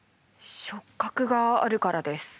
触覚があるからです。